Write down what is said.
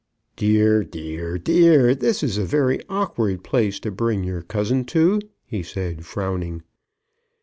"Dear, dear, dear; this is a very awkward place to bring your cousin to," he said, frowning.